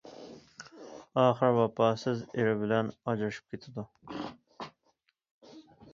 ئاخىرى ۋاپاسىز ئېرى بىلەن ئاجرىشىپ كېتىدۇ.